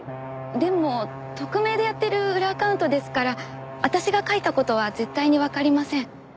でも匿名でやってる裏アカウントですから私が書いた事は絶対にわかりません。